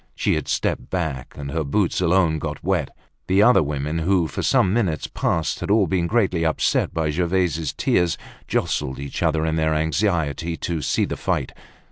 She had stepped back, and her boots alone got wet. The other women, who for some minutes past had all been greatly upset by Gervaise's tears, jostled each other in their anxiety to see the fight.